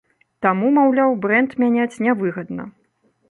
Таму, маўляў, брэнд мяняць нявыгадна.